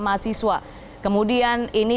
mahasiswa kemudian ini